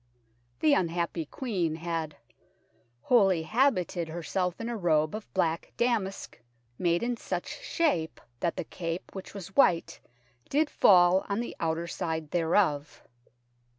The unhappy Queen had " wholly habited herself in a robe of black damask, made in such shape that the cape, which was white, did fall on the outer side thereof."